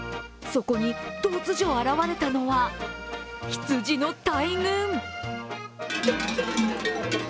そこに突如現れたのは羊の大群。